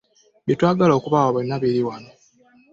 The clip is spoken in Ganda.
Bye twagala okubawa byonna biri wano.